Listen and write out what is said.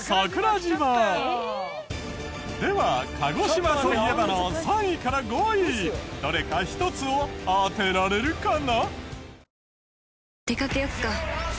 では鹿児島といえばの３位から５位どれか１つを当てられるかな？